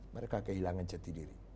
mereka kehilangan jati diri